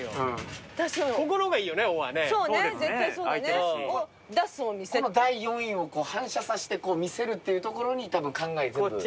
この第４位を反射させて見せるっていうところにたぶん考え全部。